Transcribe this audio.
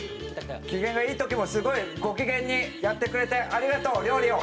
機嫌がいい時もすごいご機嫌にやってくれてありがとう料理を。